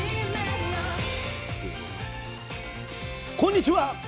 こんにちは。